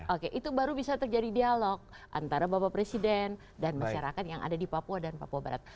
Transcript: oke itu baru bisa terjadi dialog antara bapak presiden dan masyarakat yang ada di papua dan papua barat